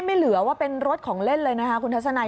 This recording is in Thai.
ไม่เหลือว่าเป็นรถของเล่นเลยนะคะคุณทัศนัย